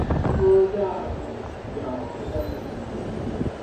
听说要架脚架才行